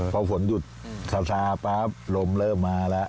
พอฝนหยุดซาปั๊บลมเริ่มมาแล้ว